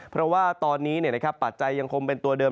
เพราะว่าตอนนี้ปัจจัยยังคงเป็นตัวเดิ